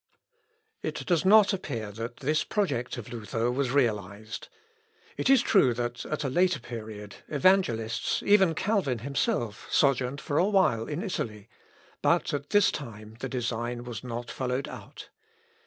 It does not appear that this project of Luther was realised. It is true that, at a later period, evangelists, even Calvin himself, sojourned for a while in Italy, but at this time the design was not followed out.